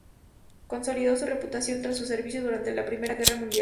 Consolidó su reputación tras su servicio durante la I Guerra Mundial.